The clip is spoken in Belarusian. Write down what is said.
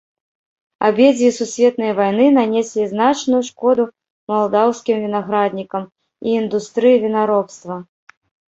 Абедзве сусветныя вайны нанеслі значную шкоду малдаўскім вінаграднікам і індустрыі вінаробства.